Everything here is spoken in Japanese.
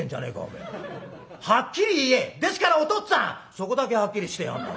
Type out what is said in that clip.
「そこだけはっきりしてやがんな。